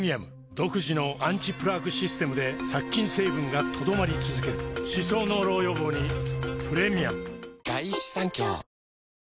独自のアンチプラークシステムで殺菌成分が留まり続ける歯槽膿漏予防にプレミアム